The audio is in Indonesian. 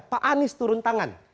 pak anies turun tangan